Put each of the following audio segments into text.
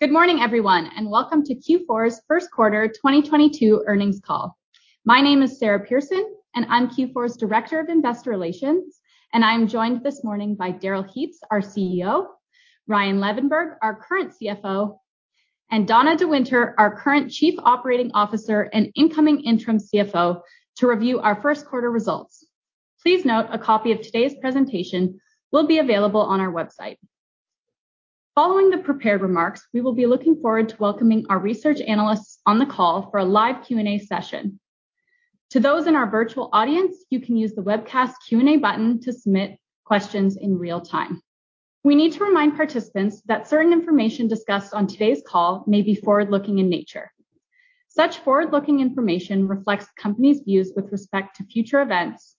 Good morning, everyone, and welcome to Q4's first quarter 2022 earnings call. My name is Sara Pearson, and I'm Q4's Director of Investor Relations, and I'm joined this morning by Darrell Heaps, our CEO, Ryan Levenberg, our current CFO, and Donna de Winter, our current Chief Operating Officer and incoming interim CFO, to review our first quarter results. Please note a copy of today's presentation will be available on our website. Following the prepared remarks, we will be looking forward to welcoming our research analysts on the call for a live Q&A session. To those in our virtual audience, you can use the webcast Q&A button to submit questions in real time. We need to remind participants that certain information discussed on today's call may be forward-looking in nature. Such forward-looking information reflects company's views with respect to future events.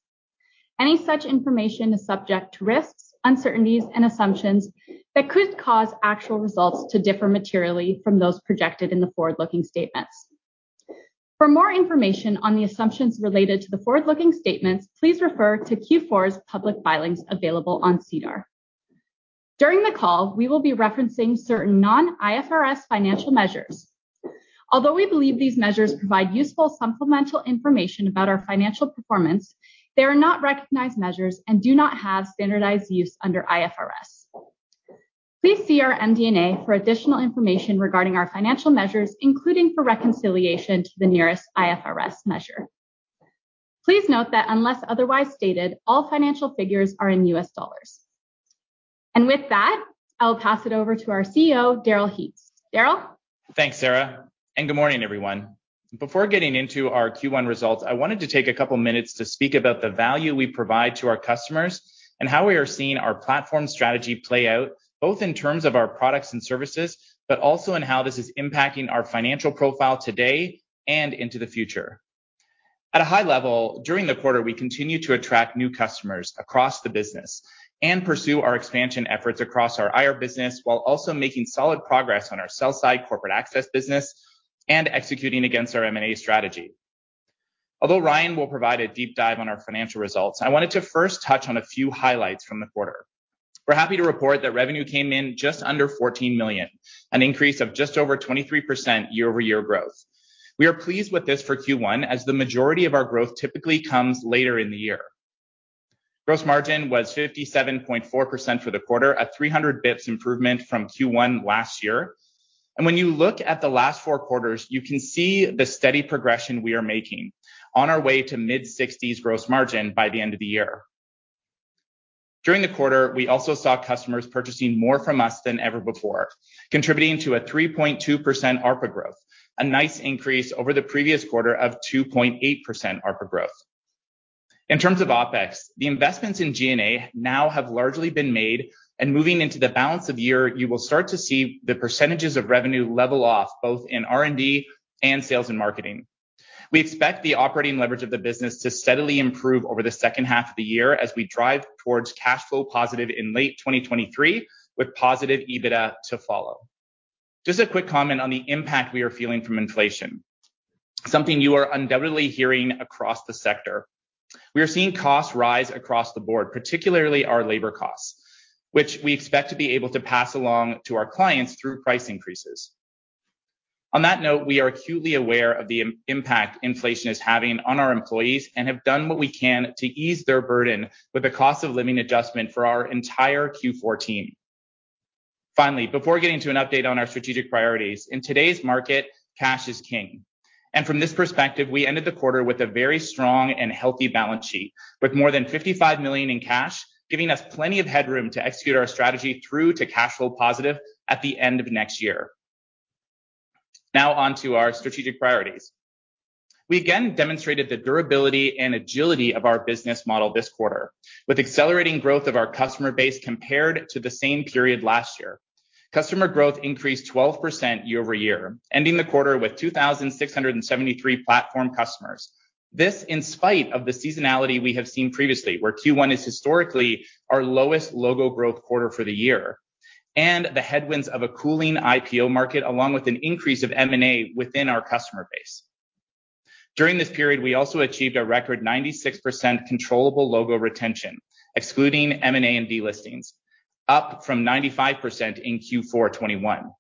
Any such information is subject to risks, uncertainties, and assumptions that could cause actual results to differ materially from those projected in the forward-looking statements. For more information on the assumptions related to the forward-looking statements, please refer to Q4's public filings available on SEDAR. During the call, we will be referencing certain non-IFRS financial measures. Although we believe these measures provide useful supplemental information about our financial performance, they are not recognized measures and do not have standardized use under IFRS. Please see our MD&A for additional information regarding our financial measures, including for reconciliation to the nearest IFRS measure. Please note that unless otherwise stated, all financial figures are in US dollars. With that, I'll pass it over to our CEO, Darrell Heaps. Darrell? Thanks, Sara, and good morning, everyone. Before getting into our Q1 results, I wanted to take a couple minutes to speak about the value we provide to our customers and how we are seeing our platform strategy play out, both in terms of our products and services, but also in how this is impacting our financial profile today and into the future. At a high level, during the quarter, we continue to attract new customers across the business and pursue our expansion efforts across our IR business while also making solid progress on our sell side corporate access business and executing against our M&A strategy. Although Ryan will provide a deep dive on our financial results, I wanted to first touch on a few highlights from the quarter. We're happy to report that revenue came in just under $14 million, an increase of just over 23% year-over-year growth. We are pleased with this for Q1 as the majority of our growth typically comes later in the year. Gross margin was 57.4% for the quarter, a 300 basis points improvement from Q1 last year. When you look at the last four quarters, you can see the steady progression we are making on our way to mid-60s gross margin by the end of the year. During the quarter, we also saw customers purchasing more from us than ever before, contributing to a 3.2% ARPA growth, a nice increase over the previous quarter of 2.8% ARPA growth. In terms of OpEx, the investments in G&A now have largely been made, and moving into the balance of year, you will start to see the percentages of revenue level off both in R&D and sales and marketing. We expect the operating leverage of the business to steadily improve over the second half of the year as we drive towards cash flow positive in late 2023, with positive EBITDA to follow. Just a quick comment on the impact we are feeling from inflation, something you are undoubtedly hearing across the sector. We are seeing costs rise across the board, particularly our labor costs, which we expect to be able to pass along to our clients through price increases. On that note, we are acutely aware of the impact inflation is having on our employees and have done what we can to ease their burden with a cost of living adjustment for our entire Q4 team. Finally, before getting to an update on our strategic priorities, in today's market, cash is king. From this perspective, we ended the quarter with a very strong and healthy balance sheet, with more than $55 million in cash, giving us plenty of headroom to execute our strategy through to cash flow positive at the end of next year. Now on to our strategic priorities. We again demonstrated the durability and agility of our business model this quarter with accelerating growth of our customer base compared to the same period last year. Customer growth increased 12% year-over-year, ending the quarter with 2,673 platform customers. This, in spite of the seasonality we have seen previously, where Q1 is historically our lowest logo growth quarter for the year and the headwinds of a cooling IPO market along with an increase of M&A within our customer base. During this period, we also achieved a record 96% controllable logo retention, excluding M&A and delistings, up from 95% in Q4 '21.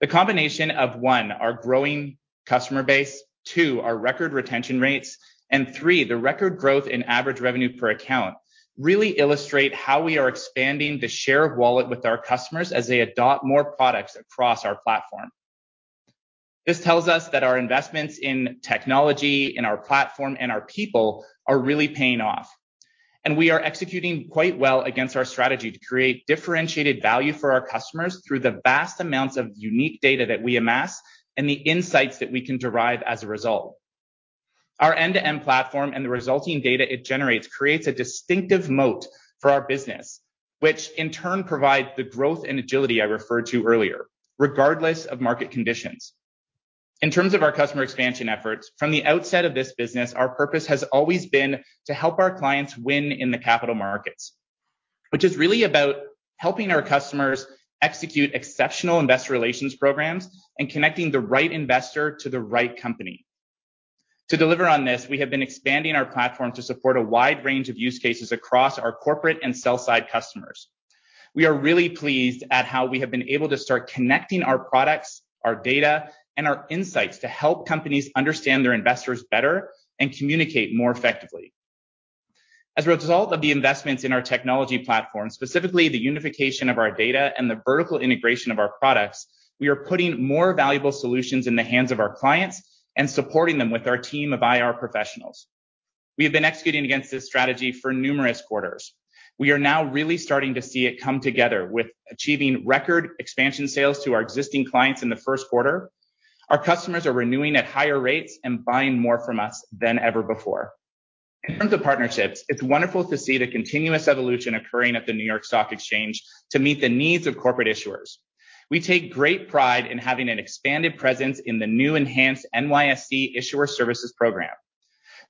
The combination of, one, our growing customer base, two, our record retention rates, and three, the record growth in average revenue per account, really illustrate how we are expanding the share of wallet with our customers as they adopt more products across our platform. This tells us that our investments in technology, in our platform, and our people are really paying off, and we are executing quite well against our strategy to create differentiated value for our customers through the vast amounts of unique data that we amass and the insights that we can derive as a result. Our end-to-end platform and the resulting data it generates creates a distinctive moat for our business, which in turn provides the growth and agility I referred to earlier, regardless of market conditions. In terms of our customer expansion efforts, from the outset of this business, our purpose has always been to help our clients win in the capital markets, which is really about helping our customers execute exceptional investor relations programs and connecting the right investor to the right company. To deliver on this, we have been expanding our platform to support a wide range of use cases across our corporate and sell side customers. We are really pleased at how we have been able to start connecting our products, our data, and our insights to help companies understand their investors better and communicate more effectively. As a result of the investments in our technology platform, specifically the unification of our data and the vertical integration of our products, we are putting more valuable solutions in the hands of our clients and supporting them with our team of IR professionals. We have been executing against this strategy for numerous quarters. We are now really starting to see it come together with achieving record expansion sales to our existing clients in the first quarter. Our customers are renewing at higher rates and buying more from us than ever before. In terms of partnerships, it's wonderful to see the continuous evolution occurring at the New York Stock Exchange to meet the needs of corporate issuers. We take great pride in having an expanded presence in the new enhanced NYSE Issuer Services program.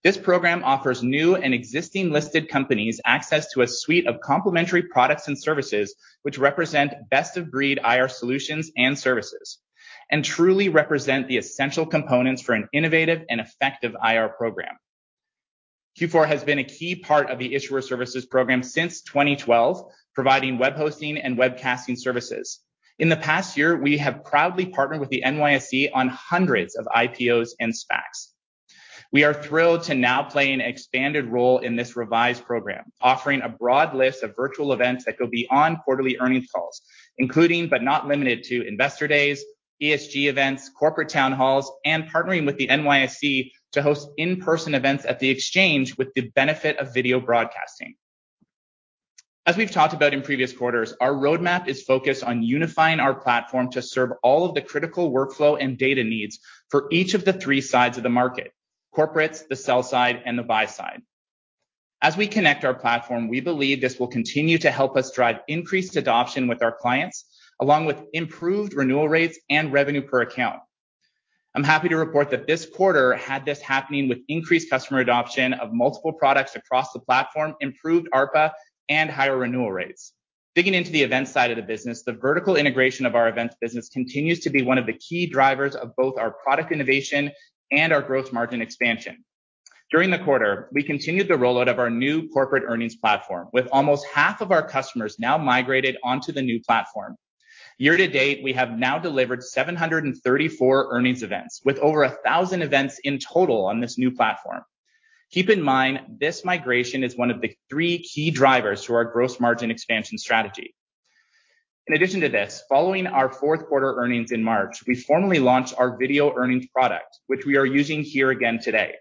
This program offers new and existing listed companies access to a suite of complementary products and services which represent best-of-breed IR solutions and services, and truly represent the essential components for an innovative and effective IR program. Q4 has been a key part of the Issuer Services program since 2012, providing web hosting and webcasting services. In the past year, we have proudly partnered with the NYSE on hundreds of IPOs and SPACs. We are thrilled to now play an expanded role in this revised program, offering a broad list of virtual events that go beyond quarterly earnings calls. Including, but not limited to investor days, ESG events, corporate town halls, and partnering with the NYSE to host in-person events at the Exchange with the benefit of video broadcasting. As we've talked about in previous quarters, our roadmap is focused on unifying our platform to serve all of the critical workflow and data needs for each of the three sides of the market, corporates, the sell side, and the buy side. As we connect our platform, we believe this will continue to help us drive increased adoption with our clients, along with improved renewal rates and revenue per account. I'm happy to report that this quarter had this happening with increased customer adoption of multiple products across the platform, improved ARPA and higher renewal rates. Digging into the events side of the business, the vertical integration of our events business continues to be one of the key drivers of both our product innovation and our growth margin expansion. During the quarter, we continued the rollout of our new corporate earnings platform, with almost half of our customers now migrated onto the new platform. Year to date, we have now delivered 734 earnings events, with over 1,000 events in total on this new platform. Keep in mind, this migration is one of the three key drivers to our gross margin expansion strategy. In addition to this, following our fourth quarter earnings in March, we formally launched our video earnings product, which we are using here again today.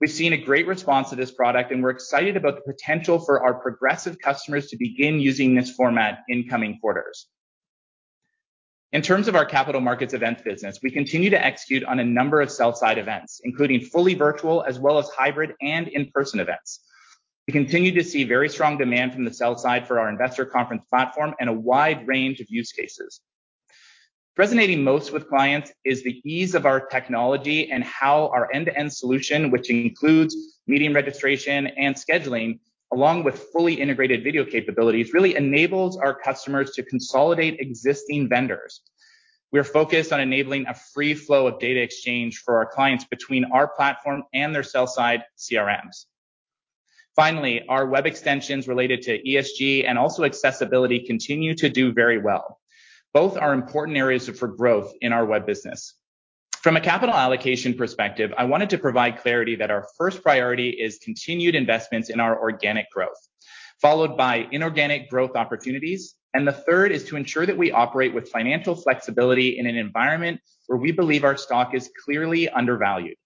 We've seen a great response to this product, and we're excited about the potential for our progressive customers to begin using this format in coming quarters. In terms of our capital markets event business, we continue to execute on a number of sell-side events, including fully virtual as well as hybrid and in-person events. We continue to see very strong demand from the sell side for our investor conference platform and a wide range of use cases. Resonating most with clients is the ease of our technology and how our end-to-end solution, which includes meeting registration and scheduling along with fully integrated video capabilities, really enables our customers to consolidate existing vendors. We are focused on enabling a free flow of data exchange for our clients between our platform and their sell side CRMs. Finally, our web extensions related to ESG and also accessibility continue to do very well. Both are important areas for growth in our web business. From a capital allocation perspective, I wanted to provide clarity that our first priority is continued investments in our organic growth, followed by inorganic growth opportunities. The third is to ensure that we operate with financial flexibility in an environment where we believe our stock is clearly undervalued.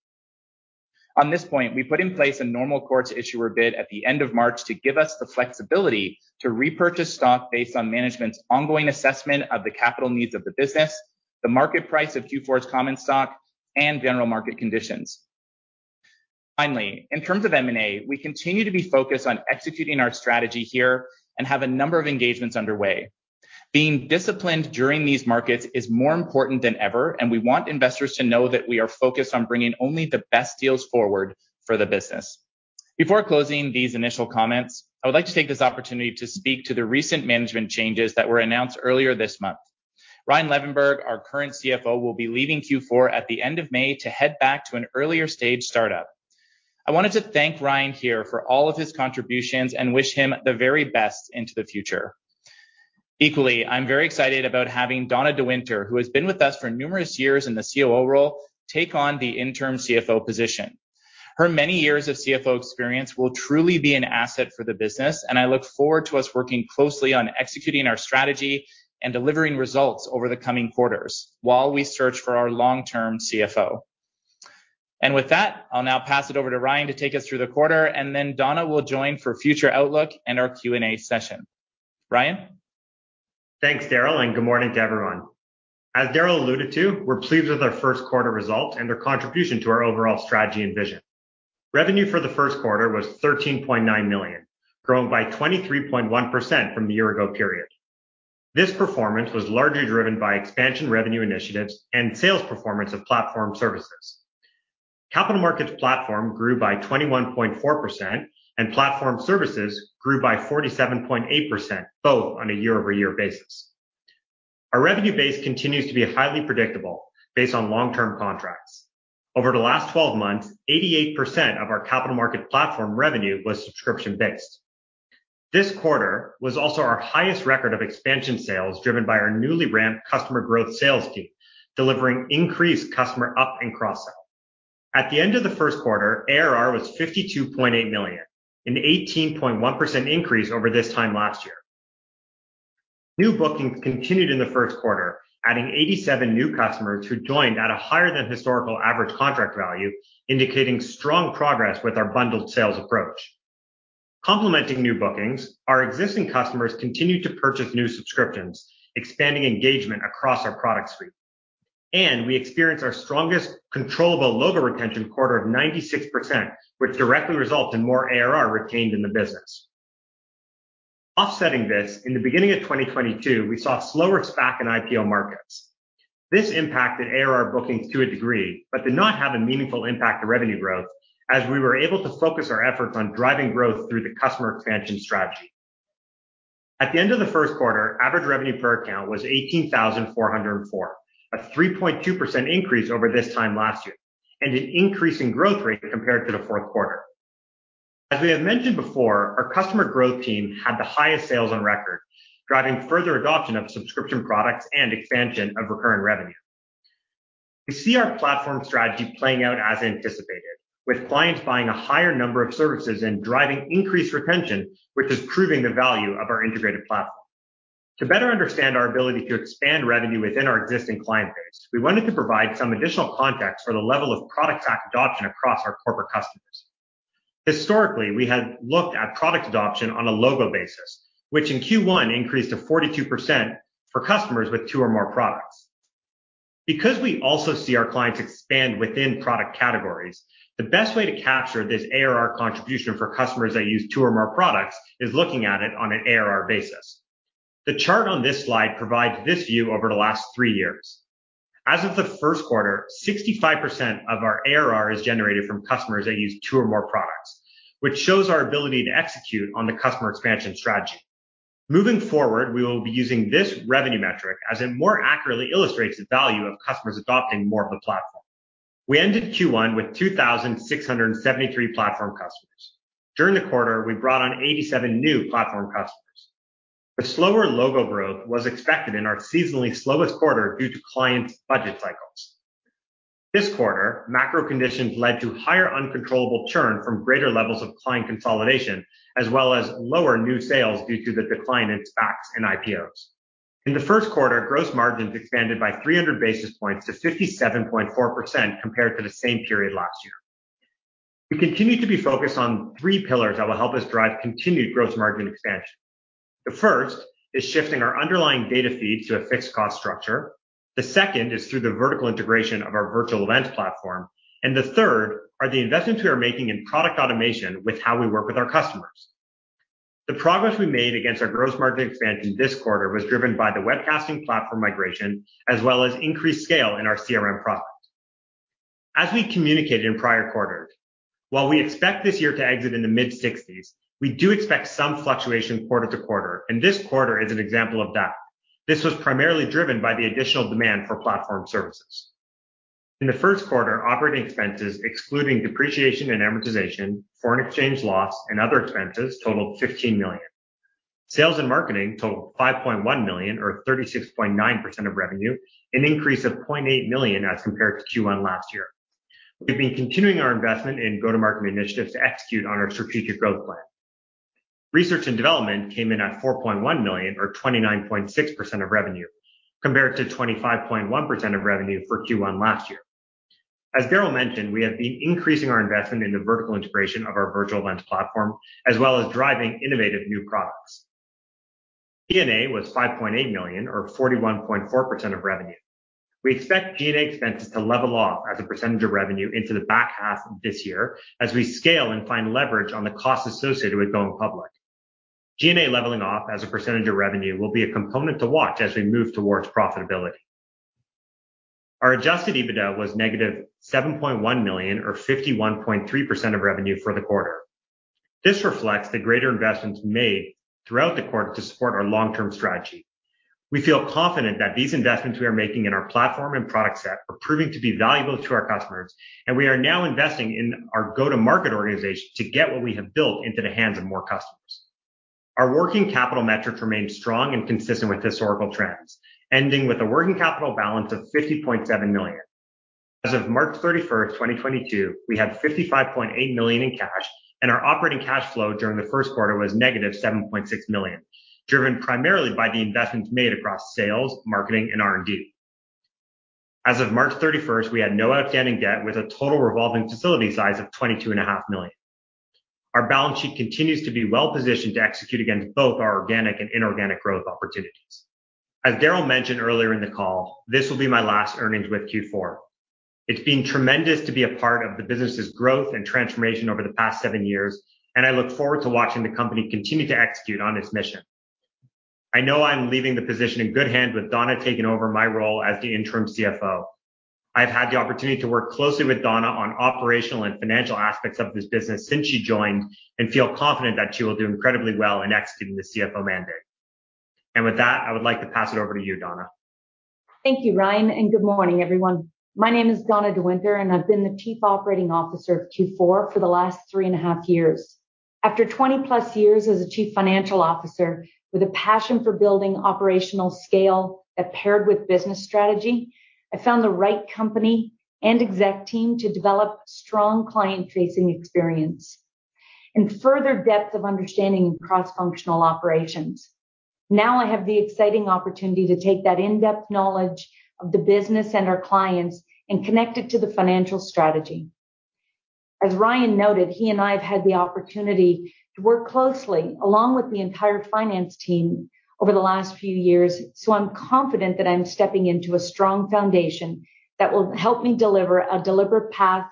On this point, we put in place a normal course issuer bid at the end of March to give us the flexibility to repurchase stock based on management's ongoing assessment of the capital needs of the business, the market price of Q4's common stock, and general market conditions. Finally, in terms of M&A, we continue to be focused on executing our strategy here and have a number of engagements underway. Being disciplined during these markets is more important than ever, and we want investors to know that we are focused on bringing only the best deals forward for the business. Before closing these initial comments, I would like to take this opportunity to speak to the recent management changes that were announced earlier this month. Ryan Levenberg, our current CFO, will be leaving Q4 at the end of May to head back to an earlier stage startup. I wanted to thank Ryan here for all of his contributions and wish him the very best into the future. Equally, I'm very excited about having Donna de Winter, who has been with us for numerous years in the COO role, take on the interim CFO position. Her many years of CFO experience will truly be an asset for the business, and I look forward to us working closely on executing our strategy and delivering results over the coming quarters while we search for our long-term CFO. With that, I'll now pass it over to Ryan to take us through the quarter, and then Donna will join for future outlook and our Q&A session. Ryan? Thanks, Darrell, and good morning to everyone. As Darrell alluded to, we're pleased with our first quarter results and their contribution to our overall strategy and vision. Revenue for the first quarter was $13.9 million, growing by 23.1% from the year ago period. This performance was largely driven by expansion revenue initiatives and sales performance of platform services. Capital markets platform grew by 21.4%, and platform services grew by 47.8%, both on a year-over-year basis. Our revenue base continues to be highly predictable based on long-term contracts. Over the last 12 months, 88% of our capital markets platform revenue was subscription-based. This quarter was also our highest record of expansion sales driven by our newly ramped customer growth sales team, delivering increased customer up and cross-sell. At the end of the first quarter, ARR was $52.8 million, an 18.1% increase over this time last year. New bookings continued in the first quarter, adding 87 new customers who joined at a higher than historical average contract value, indicating strong progress with our bundled sales approach. Complementing new bookings, our existing customers continued to purchase new subscriptions, expanding engagement across our product suite. We experienced our strongest controllable logo retention quarter of 96%, which directly result in more ARR retained in the business. Offsetting this, in the beginning of 2022, we saw slower SPAC and IPO markets. This impacted ARR bookings to a degree, but did not have a meaningful impact to revenue growth, as we were able to focus our efforts on driving growth through the customer expansion strategy. At the end of the first quarter, average revenue per account was $18,404, a 3.2% increase over this time last year, and an increase in growth rate compared to the fourth quarter. As we have mentioned before, our customer growth team had the highest sales on record, driving further adoption of subscription products and expansion of recurring revenue. We see our platform strategy playing out as anticipated with clients buying a higher number of services and driving increased retention, which is proving the value of our integrated platform. To better understand our ability to expand revenue within our existing client base, we wanted to provide some additional context for the level of product pack adoption across our corporate customers. Historically, we had looked at product adoption on a logo basis, which in Q1 increased to 42% for customers with two or more products. Because we also see our clients expand within product categories, the best way to capture this ARR contribution for customers that use two or more products is looking at it on an ARR basis. The chart on this slide provides this view over the last three years. As of the first quarter, 65% of our ARR is generated from customers that use two or more products, which shows our ability to execute on the customer expansion strategy. Moving forward, we will be using this revenue metric as it more accurately illustrates the value of customers adopting more of the platform. We ended Q1 with 2,673 platform customers. During the quarter, we brought on 87 new platform customers. The slower logo growth was expected in our seasonally slowest quarter due to clients' budget cycles. This quarter, macro conditions led to higher uncontrollable churn from greater levels of client consolidation, as well as lower new sales due to the decline in SPACs and IPOs. In the first quarter, gross margins expanded by 300 basis points to 57.4% compared to the same period last year. We continue to be focused on three pillars that will help us drive continued gross margin expansion. The first is shifting our underlying data feeds to a fixed cost structure. The second is through the vertical integration of our virtual event platform. The third are the investments we are making in product automation with how we work with our customers. The progress we made against our gross margin expansion this quarter was driven by the webcasting platform migration as well as increased scale in our CRM product. As we communicated in prior quarters, while we expect this year to exit in the mid-60s, we do expect some fluctuation quarter to quarter, and this quarter is an example of that. This was primarily driven by the additional demand for platform services. In the first quarter, operating expenses excluding depreciation and amortization, foreign exchange loss, and other expenses totaled $15 million. Sales and marketing totaled $5.1 million or 36.9% of revenue, an increase of $0.8 million as compared to Q1 last year. We've been continuing our investment in go-to-market initiatives to execute on our strategic growth plan. Research and development came in at $4.1 million or 29.6% of revenue, compared to 25.1% of revenue for Q1 last year. As Darrell mentioned, we have been increasing our investment in the vertical integration of our virtual events platform, as well as driving innovative new products. G&A was $5.8 million or 41.4% of revenue. We expect G&A expenses to level off as a percentage of revenue into the back half of this year as we scale and find leverage on the costs associated with going public. G&A leveling off as a percentage of revenue will be a component to watch as we move towards profitability. Our adjusted EBITDA was -$7.1 million or 51.3% of revenue for the quarter. This reflects the greater investments made throughout the quarter to support our long-term strategy. We feel confident that these investments we are making in our platform and product set are proving to be valuable to our customers, and we are now investing in our go-to-market organization to get what we have built into the hands of more customers. Our working capital metrics remain strong and consistent with historical trends, ending with a working capital balance of $50.7 million. As of March 31st, 2022, we had $55.8 million in cash, and our operating cash flow during the first quarter was -$7.6 million, driven primarily by the investments made across sales, marketing, and R&D. As of March 31st, we had no outstanding debt with a total revolving facility size of $22.5 million. Our balance sheet continues to be well-positioned to execute against both our organic and inorganic growth opportunities. Darrell mentioned earlier in the call, this will be my last earnings with Q4. It's been tremendous to be a part of the business's growth and transformation over the past seven years, and I look forward to watching the company continue to execute on its mission. I know I'm leaving the position in good hands with Donna taking over my role as the interim CFO. I've had the opportunity to work closely with Donna on operational and financial aspects of this business since she joined, and feel confident that she will do incredibly well in executing the CFO mandate. With that, I would like to pass it over to you, Donna. Thank you, Ryan, and good morning, everyone. My name is Donna de Winter, and I've been the Chief Operating Officer of Q4 for the last three and a half years. After twenty-plus years as a Chief Financial Officer with a passion for building operational scale that paired with business strategy, I found the right company and exec team to develop strong client-facing experience and further depth of understanding in cross-functional operations. Now I have the exciting opportunity to take that in-depth knowledge of the business and our clients and connect it to the financial strategy. As Ryan noted, he and I have had the opportunity to work closely along with the entire finance team over the last few years, so I'm confident that I'm stepping into a strong foundation that will help me deliver a deliberate path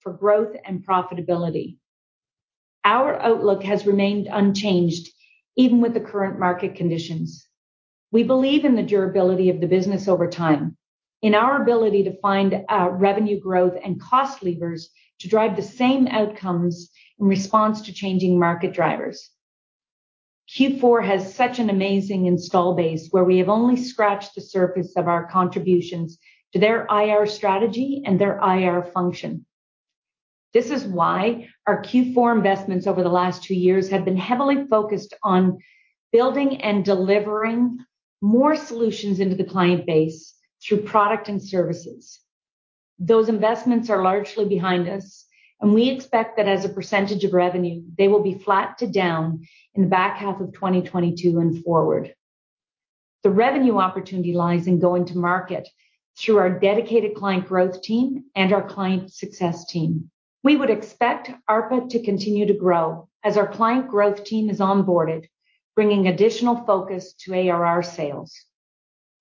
for growth and profitability. Our outlook has remained unchanged even with the current market conditions. We believe in the durability of the business over time, in our ability to find revenue growth and cost levers to drive the same outcomes in response to changing market drivers. Q4 has such an amazing installed base where we have only scratched the surface of our contributions to their IR strategy and their IR function. This is why our Q4 investments over the last two years have been heavily focused on building and delivering more solutions into the client base through products and services. Those investments are largely behind us, and we expect that as a percentage of revenue, they will be flat to down in the back half of 2022 and forward. The revenue opportunity lies in going to market through our dedicated client growth team and our client success team. We would expect ARPA to continue to grow as our client growth team is onboarded, bringing additional focus to ARR sales.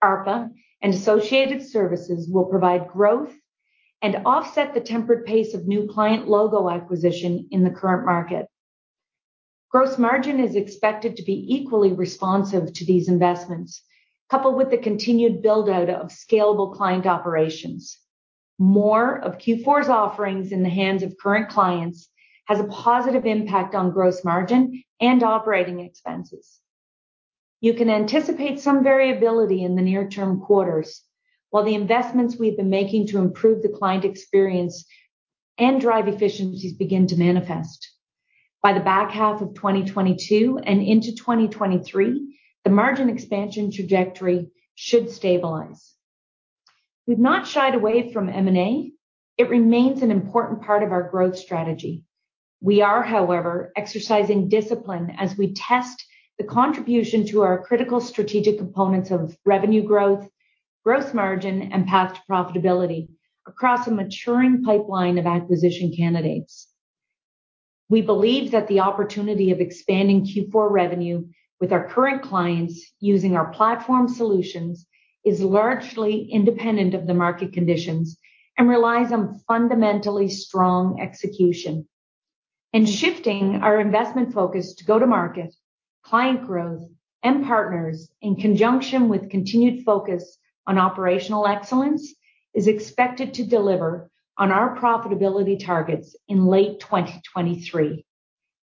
ARPA and associated services will provide growth and offset the tempered pace of new client logo acquisition in the current market. Gross margin is expected to be equally responsive to these investments, coupled with the continued build-out of scalable client operations. More of Q4's offerings in the hands of current clients has a positive impact on gross margin and operating expenses. You can anticipate some variability in the near term quarters while the investments we've been making to improve the client experience and drive efficiencies begin to manifest. By the back half of 2022 and into 2023, the margin expansion trajectory should stabilize. We've not shied away from M&A. It remains an important part of our growth strategy. We are, however, exercising discipline as we test the contribution to our critical strategic components of revenue growth, gross margin, and path to profitability across a maturing pipeline of acquisition candidates. We believe that the opportunity of expanding Q4 revenue with our current clients using our platform solutions is largely independent of the market conditions and relies on fundamentally strong execution. Shifting our investment focus to go to market, client growth, and partners in conjunction with continued focus on operational excellence, is expected to deliver on our profitability targets in late 2023.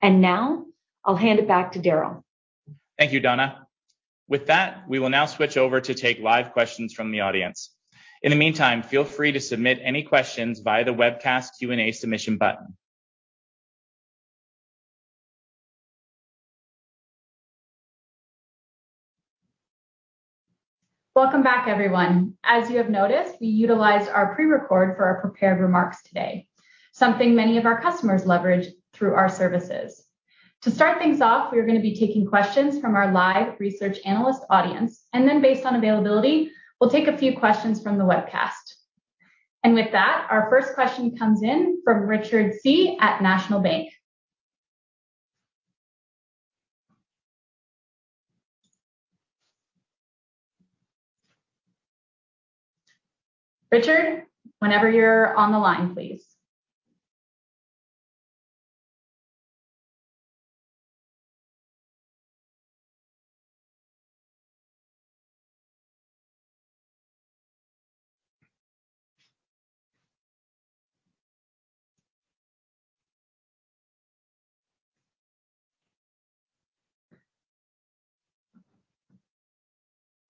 Now I'll hand it back to Darrell. Thank you, Donna. With that, we will now switch over to take live questions from the audience. In the meantime, feel free to submit any questions via the webcast Q&A submission button. Welcome back, everyone. As you have noticed, we utilized our pre-record for our prepared remarks today, something many of our customers leverage through our services. To start things off, we are gonna be taking questions from our live research analyst audience, and then based on availability, we'll take a few questions from the webcast. With that, our first question comes in from Richard Tse at National Bank Financial. Richard, whenever you're on the line, please.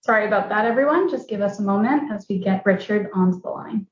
Sorry about that, everyone. Just give us a moment as we get Richard onto the line.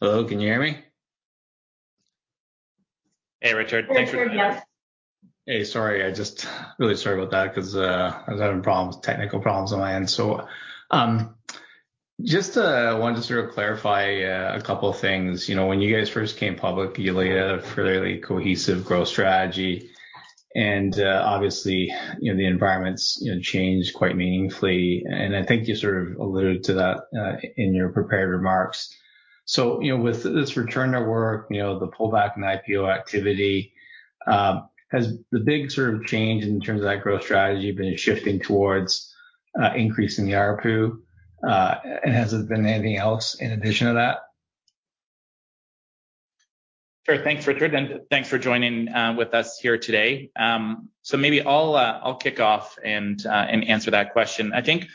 Hello, can you hear me? Hey, Richard. Thanks for the Richard, yes. Hey, sorry. I just really sorry about that because I was having problems, technical problems on my end. Wanted to sort of clarify a couple of things. You know, when you guys first came public, you laid out a fairly cohesive growth strategy and obviously, you know, the environment's, you know, changed quite meaningfully. I think you sort of alluded to that in your prepared remarks. You know, with this return to work, you know, the pullback in IPO activity, has the big sort of change in terms of that growth strategy been shifting towards increasing the ARPU? Has it been anything else in addition to that? Sure. Thanks, Richard, and thanks for joining with us here today. Maybe I'll kick off and answer that question. I think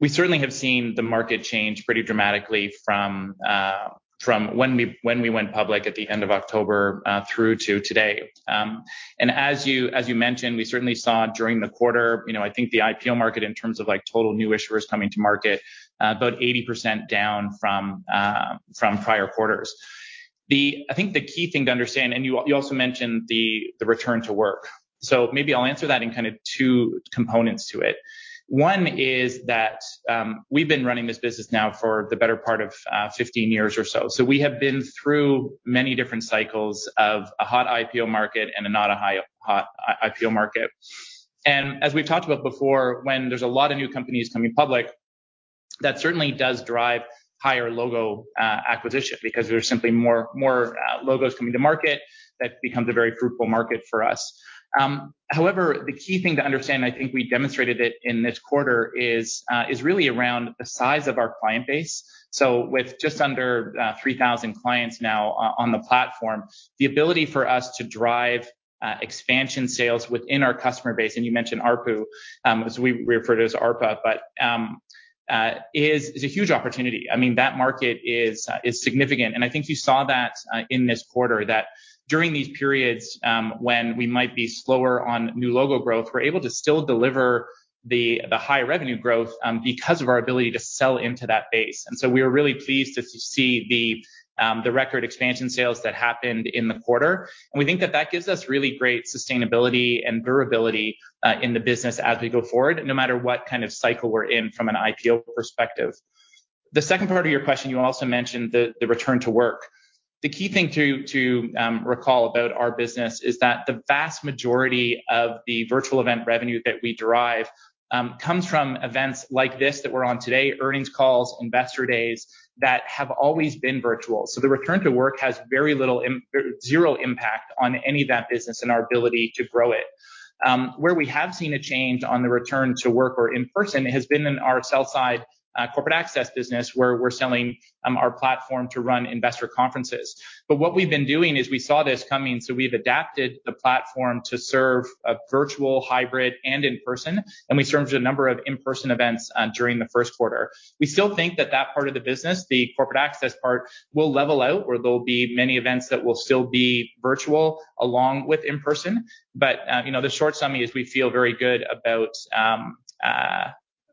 we certainly have seen the market change pretty dramatically from when we went public at the end of October through to today. As you mentioned, we certainly saw during the quarter, you know, I think the IPO market in terms of like total new issuers coming to market about 80% down from prior quarters. I think the key thing to understand, and you also mentioned the return to work. Maybe I'll answer that in kind of two components to it. One is that we've been running this business now for the better part of 15 years or so. We have been through many different cycles of a hot IPO market and a not a high, hot IPO market. As we've talked about before, when there's a lot of new companies coming public, that certainly does drive higher logo acquisition because there's simply more logos coming to market. That becomes a very fruitful market for us. However, the key thing to understand, I think we demonstrated it in this quarter, is really around the size of our client base. With just under 3,000 clients now on the platform, the ability for us to drive expansion sales within our customer base, and you mentioned ARPU, as we refer to as ARPA, but is a huge opportunity. I mean, that market is significant. I think you saw that in this quarter, that during these periods, when we might be slower on new logo growth, we're able to still deliver the high revenue growth, because of our ability to sell into that base. We are really pleased to see the record expansion sales that happened in the quarter. We think that gives us really great sustainability and durability in the business as we go forward, no matter what kind of cycle we're in from an IPO perspective. The second part of your question, you also mentioned the return to work. The key thing to recall about our business is that the vast majority of the virtual event revenue that we derive comes from events like this that we're on today, earnings calls, investor days, that have always been virtual. The return to work has very little zero impact on any of that business and our ability to grow it. Where we have seen a change on the return to work or in-person has been in our sell-side corporate access business, where we're selling our platform to run investor conferences. What we've been doing is we saw this coming, so we've adapted the platform to serve virtual, hybrid, and in-person, and we served a number of in-person events during the first quarter. We still think that that part of the business, the corporate access part, will level out, where there'll be many events that will still be virtual along with in-person. You know, the short summary is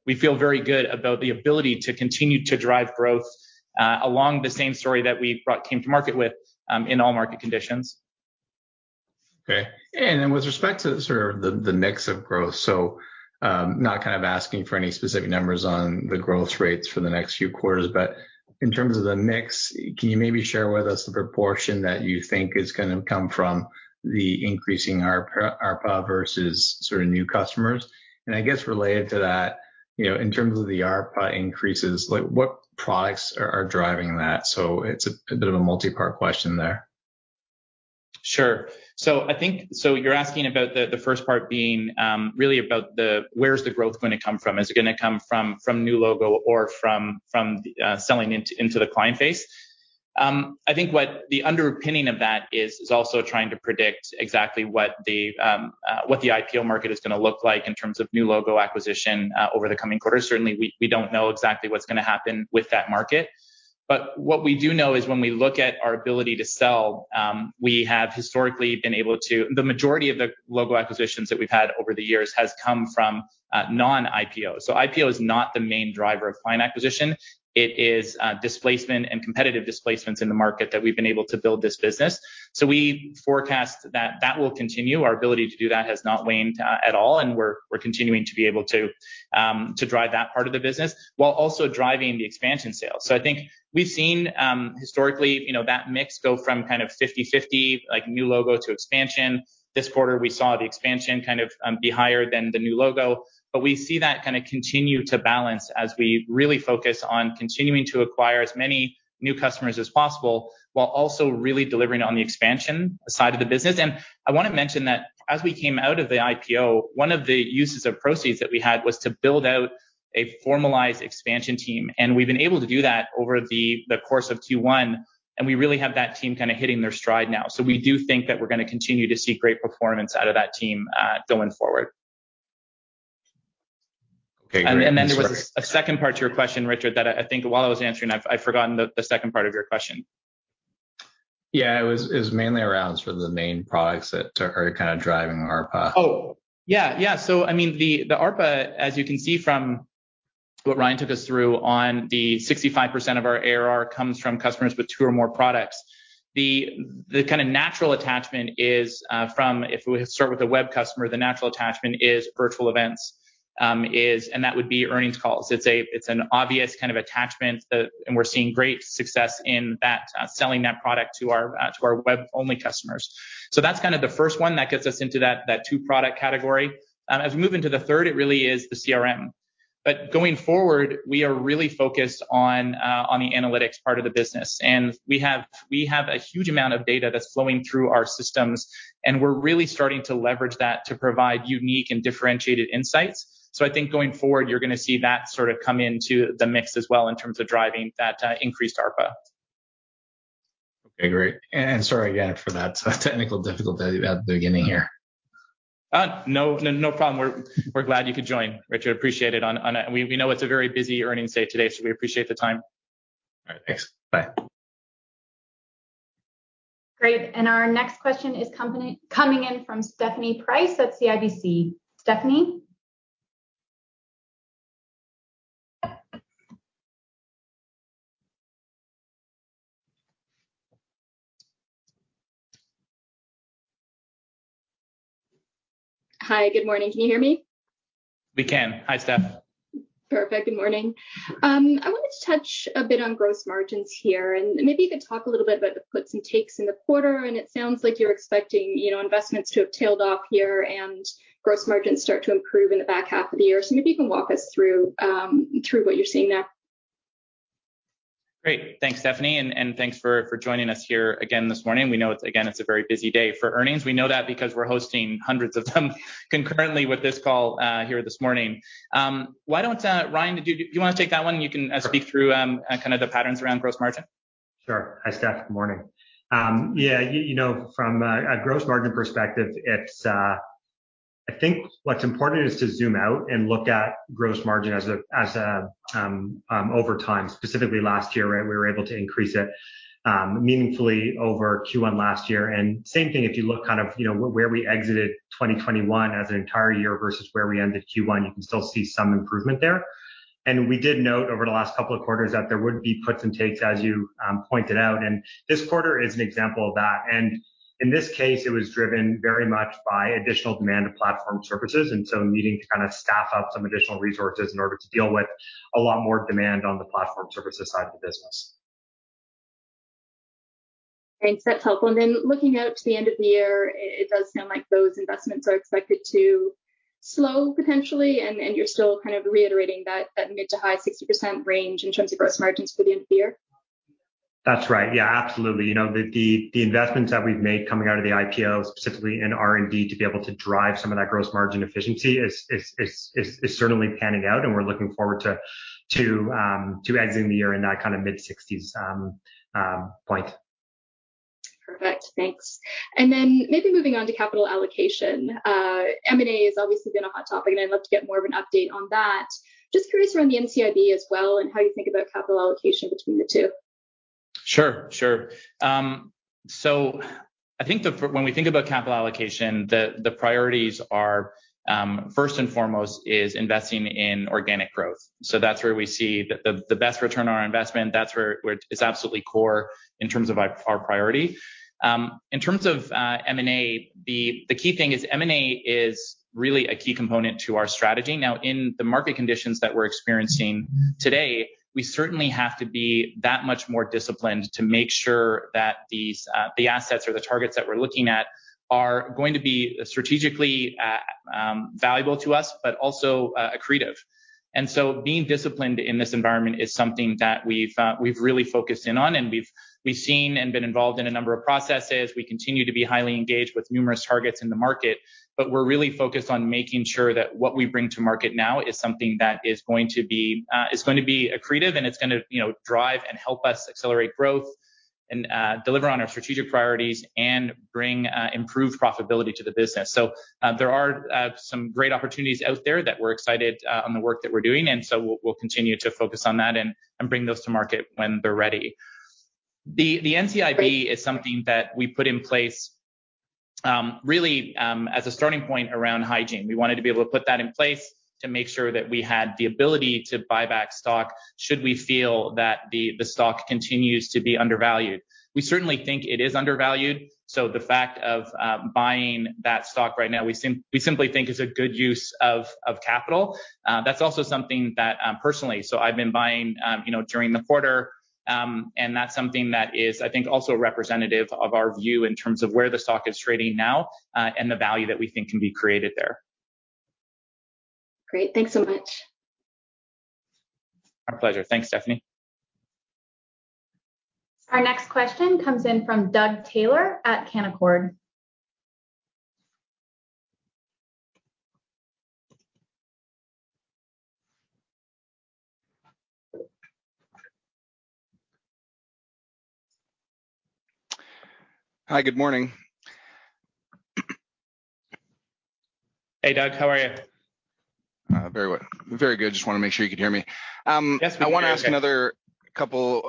we feel very good about the ability to continue to drive growth along the same story that we came to market with in all market conditions. Okay. With respect to sort of the mix of growth, not kind of asking for any specific numbers on the growth rates for the next few quarters, but in terms of the mix, can you maybe share with us the proportion that you think is gonna come from the increasing ARPA versus sort of new customers? I guess related to that, you know, in terms of the ARPA increases, like what products are driving that? It's a bit of a multi-part question there. Sure. I think so, you're asking about the first part being really about where's the growth gonna come from? Is it gonna come from new logo or from selling into the client base? I think what the underpinning of that is also trying to predict exactly what the IPO market is gonna look like in terms of new logo acquisition over the coming quarters. Certainly, we don't know exactly what's gonna happen with that market. What we do know is when we look at our ability to sell, we have historically been able to. The majority of the logo acquisitions that we've had over the years has come from non-IPOs. IPO is not the main driver of client acquisition. It is displacement and competitive displacements in the market that we've been able to build this business. We forecast that will continue. Our ability to do that has not waned at all, and we're continuing to be able to drive that part of the business while also driving the expansion sales. I think we've seen historically, you know, that mix go from kind of 50/50, like new logo to expansion. This quarter, we saw the expansion kind of be higher than the new logo. We see that kind of continue to balance as we really focus on continuing to acquire as many new customers as possible while also really delivering on the expansion side of the business. I wanna mention that as we came out of the IPO, one of the uses of proceeds that we had was to build out a formalized expansion team, and we've been able to do that over the course of Q1, and we really have that team kinda hitting their stride now. We do think that we're gonna continue to see great performance out of that team going forward. Okay, great. There was a second part to your question, Richard, that I think while I was answering, I've forgotten the second part of your question. Yeah. It was mainly around sort of the main products that are kinda driving the ARPA. Oh, yeah. I mean, the ARPA, as you can see, what Ryan took us through on the 65% of our ARR comes from customers with two or more products. The kind of natural attachment is from if we start with a web customer, the natural attachment is virtual events, and that would be earnings calls. It's an obvious kind of attachment that, and we're seeing great success in that, selling that product to our web-only customers. That's kind of the first one that gets us into that two product category. As we move into the third, it really is the CRM. Going forward, we are really focused on the analytics part of the business. We have a huge amount of data that's flowing through our systems, and we're really starting to leverage that to provide unique and differentiated insights. I think going forward, you're gonna see that sort of come into the mix as well in terms of driving that increased ARPA. Okay, great. Sorry again for that technical difficulty at the beginning here. No problem. We're glad you could join, Richard. We know it's a very busy earnings day today, so we appreciate the time. All right, thanks. Bye. Great. Our next question is coming in from Stephanie Price at CIBC. Stephanie? Hi, good morning. Can you hear me? We can. Hi, Steph. Perfect. Good morning. I wanted to touch a bit on gross margins here, and maybe you could talk a little bit about the puts and takes in the quarter, and it sounds like you're expecting, you know, investments to have tailed off here and gross margins start to improve in the back half of the year. Maybe you can walk us through what you're seeing there. Great. Thanks, Stephanie. Thanks for joining us here again this morning. We know it's again a very busy day for earnings. We know that because we're hosting hundreds of them concurrently with this call here this morning. Why don't you, Ryan, do you wanna take that one, and you can speak through kind of the patterns around gross margin? Sure. Hi, Steph. Good morning. Yeah, you know, from a gross margin perspective, it's, I think what's important is to zoom out and look at gross margin as a over time, specifically last year, right? We were able to increase it meaningfully over Q1 last year. Same thing, if you look kind of, you know, where we exited 2021 as an entire year versus where we ended Q1, you can still see some improvement there. We did note over the last couple of quarters that there would be puts and takes, as you pointed out, and this quarter is an example of that. In this case, it was driven very much by additional demand of platform services, and so needing to kind of staff up some additional resources in order to deal with a lot more demand on the platform services side of the business. Thanks. That's helpful. Looking out to the end of the year, it does sound like those investments are expected to slow potentially, and you're still kind of reiterating that mid- to high-60% range in terms of gross margins for the end of the year. That's right. Yeah, absolutely. You know, the investments that we've made coming out of the IPO, specifically in R&D, to be able to drive some of that gross margin efficiency is certainly panning out, and we're looking forward to exiting the year in that kind of mid-sixties point. Perfect. Thanks. Maybe moving on to capital allocation. M&A has obviously been a hot topic, and I'd love to get more of an update on that. Just curious around the NCIB as well and how you think about capital allocation between the two. Sure, sure. I think when we think about capital allocation, the priorities are, first and foremost is investing in organic growth. That's where we see the best return on our investment. That's where it's absolutely core in terms of our priority. In terms of M&A, the key thing is M&A is really a key component to our strategy. Now, in the market conditions that we're experiencing today, we certainly have to be that much more disciplined to make sure that the assets or the targets that we're looking at are going to be strategically valuable to us, but also accretive. Being disciplined in this environment is something that we've really focused in on, and we've seen and been involved in a number of processes. We continue to be highly engaged with numerous targets in the market, but we're really focused on making sure that what we bring to market now is something that is going to be accretive and it's gonna, you know, drive and help us accelerate growth and deliver on our strategic priorities and bring improved profitability to the business. There are some great opportunities out there that we're excited about the work that we're doing. We'll continue to focus on that and bring those to market when they're ready. The NCIB is something that we put in place really as a starting point around hygiene. We wanted to be able to put that in place to make sure that we had the ability to buy back stock should we feel that the stock continues to be undervalued. We certainly think it is undervalued, so the fact of buying that stock right now, we simply think is a good use of capital. That's also something that personally, so I've been buying you know during the quarter, and that's something that is, I think, also representative of our view in terms of where the stock is trading now, and the value that we think can be created there. Great. Thanks so much. Our pleasure. Thanks, Stephanie. Our next question comes in from Doug Taylor at Canaccord Genuity. Hi, good morning. Hey, Doug. How are you? Very well. Very good. Just wanna make sure you can hear me. Yes, we can. We're good. I wanna ask a couple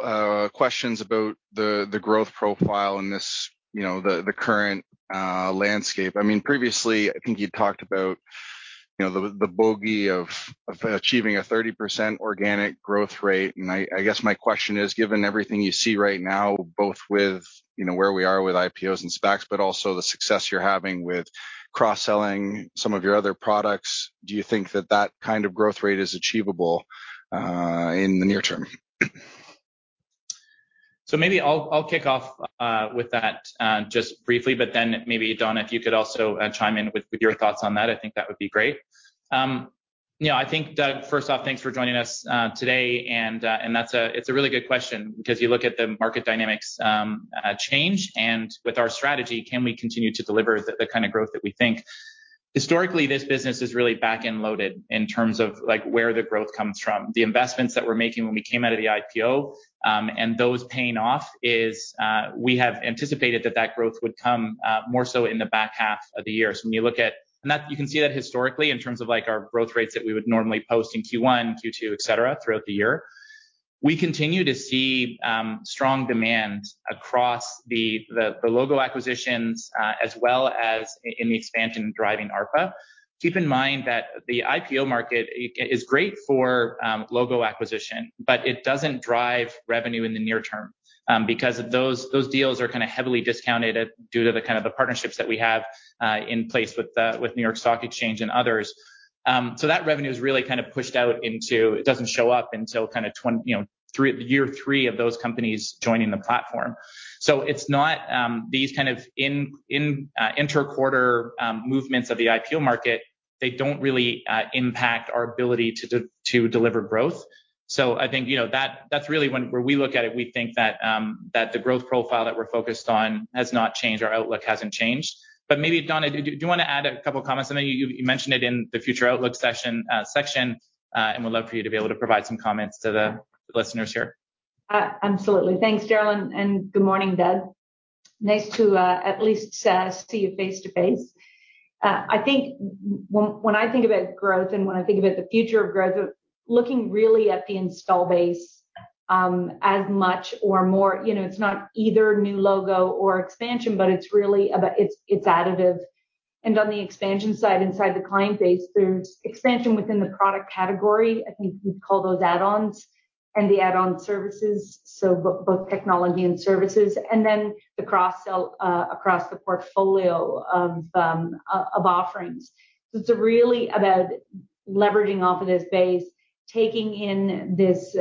questions about the growth profile in this, you know, the current landscape. I mean, previously, I think you talked about, you know, the bogey of achieving a 30% organic growth rate. I guess my question is, given everything you see right now, both with, you know, where we are with IPOs and SPACs, but also the success you're having with cross-selling some of your other products, do you think that kind of growth rate is achievable in the near term? Maybe I'll kick off with that just briefly, but then maybe Donna, if you could also chime in with your thoughts on that, I think that would be great. You know, I think, Doug, first off, thanks for joining us today, and that's a really good question because you look at the market dynamics change, and with our strategy, can we continue to deliver the kind of growth that we think. Historically, this business is really back-end loaded in terms of, like, where the growth comes from. The investments that we're making when we came out of the IPO, and those paying off is, we have anticipated that growth would come more so in the back half of the year. When you look at... You can see that historically in terms of like our growth rates that we would normally post in Q1, Q2, et cetera, throughout the year. We continue to see strong demand across the logo acquisitions as well as in the expansion driving ARPA. Keep in mind that the IPO market is great for logo acquisition, but it doesn't drive revenue in the near term because those deals are kinda heavily discounted due to the kind of partnerships that we have in place with New York Stock Exchange and others. That revenue is really kind of pushed out. It doesn't show up until kinda, you know, year three of those companies joining the platform. It's not these kind of inter-quarter movements of the IPO market. They don't really impact our ability to deliver growth. I think, you know, that's really where we look at it. We think that the growth profile that we're focused on has not changed, our outlook hasn't changed. Maybe, Donna, do you wanna add a couple of comments? I know you mentioned it in the future outlook section, and we'd love for you to be able to provide some comments to the listeners here. Absolutely. Thanks, Darrell, and good morning, Doug. Nice to at least see you face-to-face. I think when I think about growth and when I think about the future of growth, looking really at the install base, as much or more, you know, it's not either new logo or expansion, but it's really additive. On the expansion side, inside the client base, there's expansion within the product category. I think we call those add-ons and the add-on services, so both technology and services, and then the cross-sell across the portfolio of offerings. It's really about leveraging off of this base, taking in this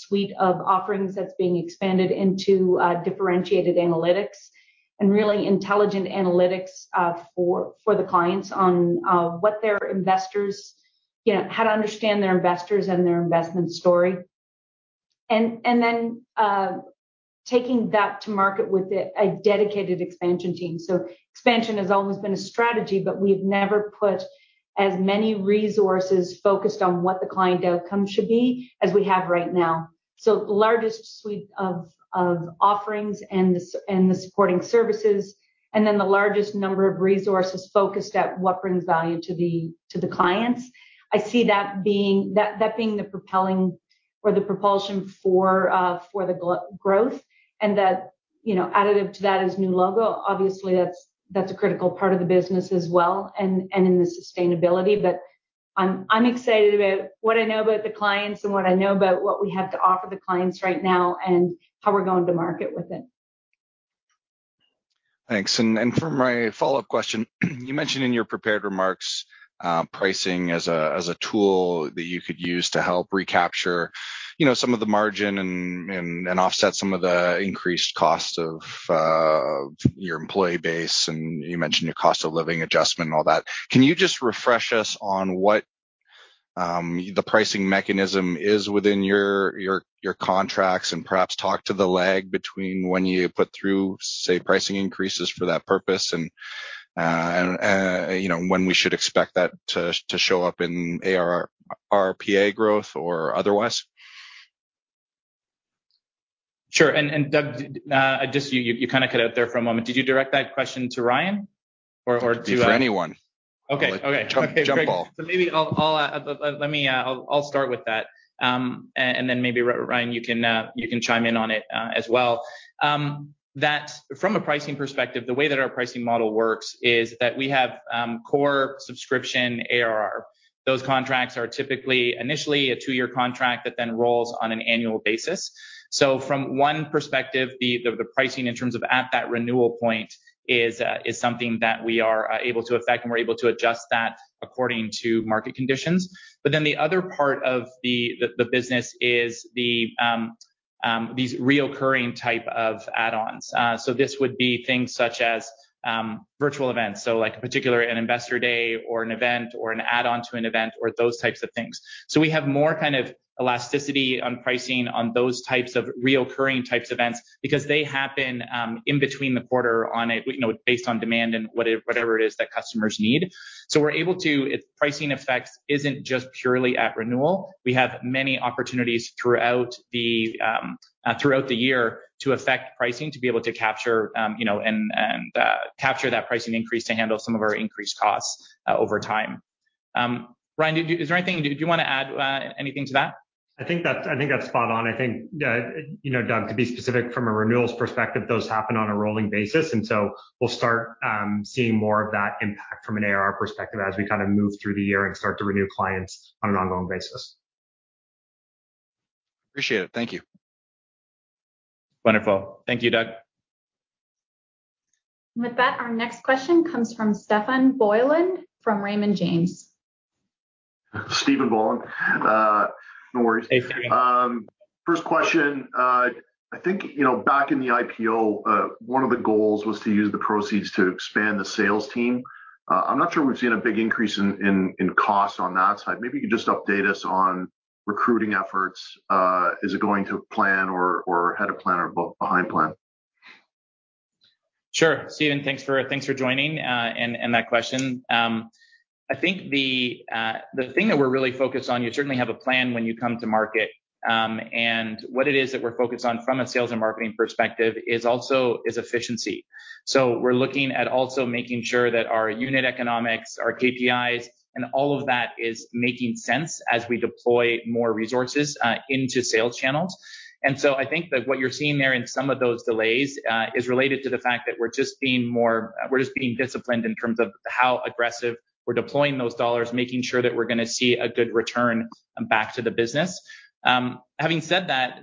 suite of offerings that's being expanded into differentiated analytics and really intelligent analytics for the clients on what their investors, you know, how to understand their investors and their investment story. Taking that to market with a dedicated expansion team. Expansion has always been a strategy, but we've never put as many resources focused on what the client outcome should be as we have right now. The largest suite of offerings and the supporting services, and then the largest number of resources focused at what brings value to the clients. I see that being the propelling or the propulsion for the growth and that, you know, additive to that is new logo. Obviously, that's a critical part of the business as well and in the sustainability. I'm excited about what I know about the clients and what I know about what we have to offer the clients right now and how we're going to market with it. Thanks. For my follow-up question, you mentioned in your prepared remarks, pricing as a tool that you could use to help recapture, you know, some of the margin and offset some of the increased cost of your employee base, and you mentioned your cost of living adjustment and all that. Can you just refresh us on what the pricing mechanism is within your contracts and perhaps talk to the lag between when you put through, say, pricing increases for that purpose and, you know, when we should expect that to show up in ARPA growth or otherwise? Sure. Doug, just you kinda cut out there for a moment. Did you direct that question to Ryan or to? To anyone. Okay. Okay. Jump ball. Maybe I'll start with that. Then maybe Ryan, you can chime in on it as well. From a pricing perspective, the way that our pricing model works is that we have core subscription ARR. Those contracts are typically initially a two-year contract that then rolls on an annual basis. From one perspective, the pricing in terms of at that renewal point is something that we are able to affect, and we're able to adjust that according to market conditions. The other part of the business is these recurring type of add-ons. This would be things such as virtual events. Like a particular, an investor day or an event or an add-on to an event or those types of things. We have more kind of elasticity on pricing on those types of recurring types of events because they happen in between the quarter on a based on demand and whatever it is that customers need. We're able to. If pricing effects isn't just purely at renewal, we have many opportunities throughout the year to affect pricing, to be able to capture and capture that pricing increase to handle some of our increased costs over time. Ryan, do you wanna add anything to that? I think that's spot on. I think, you know, Doug, to be specific from a renewals perspective, those happen on a rolling basis. We'll start seeing more of that impact from an AR perspective as we kinda move through the year and start to renew clients on an ongoing basis. Appreciate it. Thank you. Wonderful. Thank you, Doug. With that, our next question comes from Stephen Boland from Raymond James. Stephen Boland. No worries. Hey, Stephen. First question. I think, you know, back in the IPO, one of the goals was to use the proceeds to expand the sales team. I'm not sure we've seen a big increase in cost on that side. Maybe you could just update us on recruiting efforts. Is it going to plan or ahead of plan or behind plan? Sure. Stephen, thanks for joining and that question. I think the thing that we're really focused on, you certainly have a plan when you come to market. What it is that we're focused on from a sales and marketing perspective is efficiency. We're looking at also making sure that our unit economics, our KPIs, and all of that is making sense as we deploy more resources into sales channels. I think that what you're seeing there in some of those delays is related to the fact that we're just being disciplined in terms of how aggressive we're deploying those dollars, making sure that we're gonna see a good return back to the business. Having said that,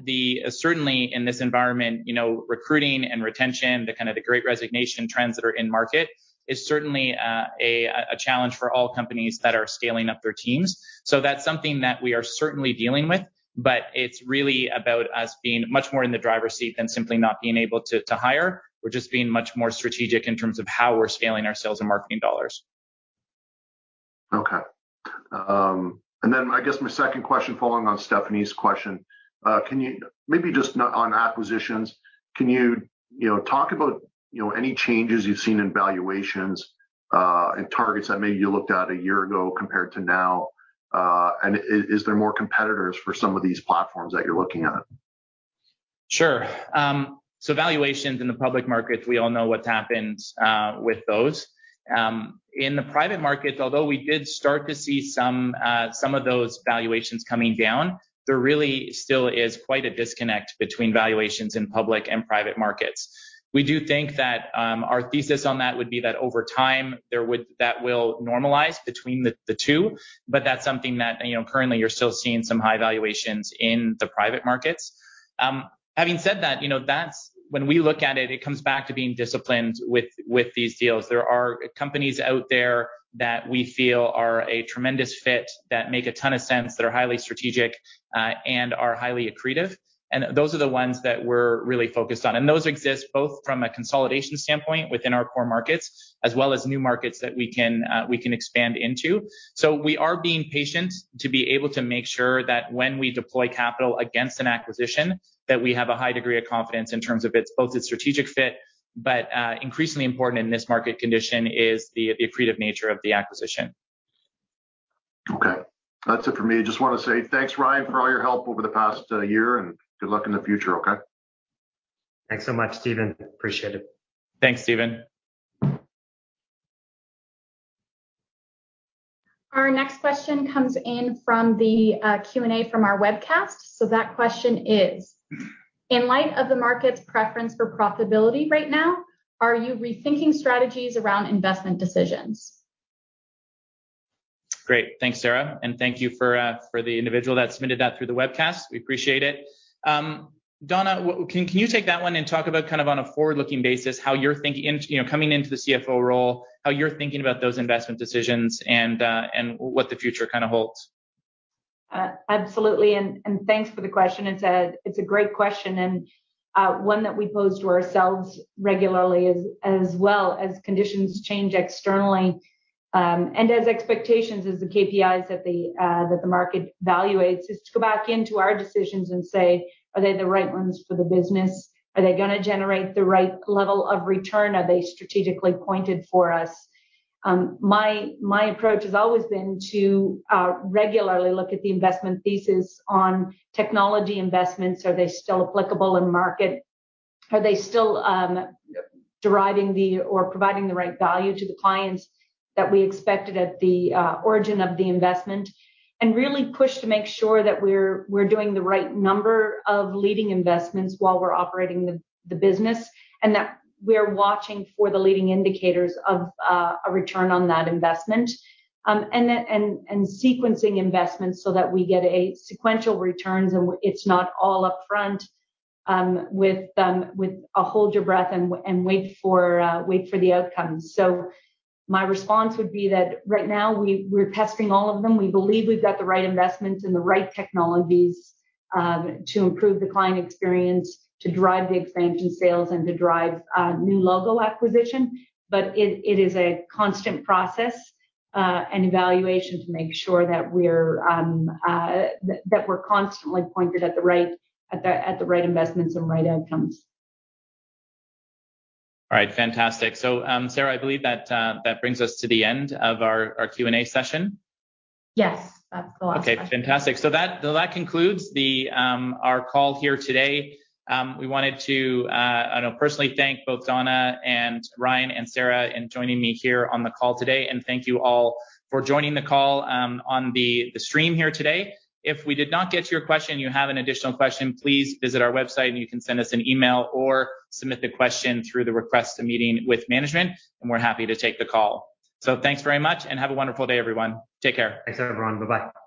certainly in this environment, you know, recruiting and retention, the kind of great resignation trends that are in the market is certainly a challenge for all companies that are scaling up their teams. That's something that we are certainly dealing with, but it's really about us being much more in the driver's seat than simply not being able to hire. We're just being much more strategic in terms of how we're scaling our sales and marketing dollars. Okay. I guess my second question following on Stephanie's question. Can you maybe just on acquisitions, you know, talk about, you know, any changes you've seen in valuations and targets that maybe you looked at a year ago compared to now? And is there more competitors for some of these platforms that you're looking at? Sure. Valuations in the public markets, we all know what's happened with those. In the private markets, although we did start to see some of those valuations coming down, there really still is quite a disconnect between valuations in public and private markets. We do think that our thesis on that would be that over time, that will normalize between the two, but that's something that, you know, currently you're still seeing some high valuations in the private markets. Having said that, you know, that's when we look at it comes back to being disciplined with these deals. There are companies out there that we feel are a tremendous fit, that make a ton of sense, that are highly strategic, and are highly accretive, and those are the ones that we're really focused on. Those exist both from a consolidation standpoint within our core markets as well as new markets that we can expand into. We are being patient to be able to make sure that when we deploy capital against an acquisition, that we have a high degree of confidence in terms of its both strategic fit, but increasingly important in this market condition is the accretive nature of the acquisition. Okay. That's it for me. Just wanna say thanks, Ryan, for all your help over the past year, and good luck in the future. Okay? Thanks so much, Stephen. Appreciate it. Thanks, Stephen. Our next question comes in from the Q&A from our webcast. That question is, "In light of the market's preference for profitability right now, are you rethinking strategies around investment decisions? Great. Thanks, Sara, and thank you for the individual that submitted that through the webcast. We appreciate it. Donna, can you take that one and talk about kind of on a forward-looking basis how you're thinking, and, you know, coming into the CFO role, how you're thinking about those investment decisions, and what the future kinda holds? Absolutely. Thanks for the question. It's a great question and one that we pose to ourselves regularly as well as conditions change externally, and as expectations and the KPIs that the market evaluates is to go back into our decisions and say, are they the right ones for the business? Are they gonna generate the right level of return? Are they strategically pointed for us? My approach has always been to regularly look at the investment thesis on technology investments. Are they still applicable in market? Are they still deriving or providing the right value to the clients that we expected at the origin of the investment, and really push to make sure that we're doing the right number of leading investments while we're operating the business, and that we're watching for the leading indicators of a return on that investment. And sequencing investments so that we get sequential returns, and it's not all upfront, with a hold your breath and wait for the outcomes. My response would be that right now we're testing all of them. We believe we've got the right investments and the right technologies to improve the client experience, to drive the expansion sales and to drive new logo acquisition. It is a constant process and evaluation to make sure that we're constantly pointed at the right investments and right outcomes. All right. Fantastic. Sara, I believe that brings us to the end of our Q&A session. Yes. That's the last question. Okay, fantastic. That concludes our call here today. We wanted to, I know, personally thank both Donna and Ryan and Sara for joining me here on the call today. Thank you all for joining the call on the stream here today. If we did not get to your question, you have an additional question, please visit our website, and you can send us an email or submit the question through the request for a meeting with management, and we're happy to take the call. Thanks very much and have a wonderful day, everyone. Take care. Thanks, everyone. Bye-bye.